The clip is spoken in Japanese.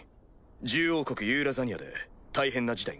獣王国ユーラザニアで大変な事態が。